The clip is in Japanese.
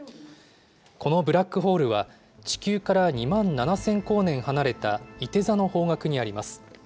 このブラックホールは、地球から２万７０００光年離れたいて座の方角にあります。